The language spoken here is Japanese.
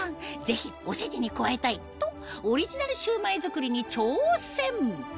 ぜひおせちに加えたいとオリジナルシュウマイ作りに挑戦